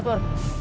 hai proving keatas